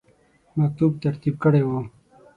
مکتوب ترتیب کړی وو.